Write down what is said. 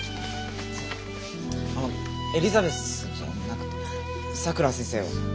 あのエリザベスじゃなくてさくら先生は？